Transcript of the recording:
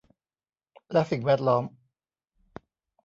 และสิ่งแวดล้อม